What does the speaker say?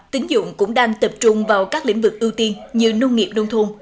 tính dụng cũng đang tập trung vào các lĩnh vực ưu tiên như nông nghiệp nông thôn